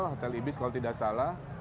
hotel ibis kalau tidak salah